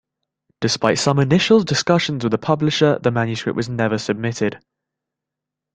Despite some initial discussions with a publisher, the manuscript was never submitted.